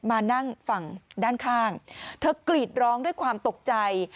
มานั่งฝั่งด้านข้างเธอกรีดร้องด้วยความตกใจ